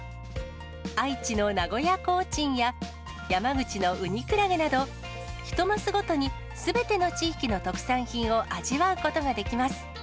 愛知の名古屋コーチンや、山口のウニクラゲなど、一ますごとにすべての地域の特産品を味わうことができます。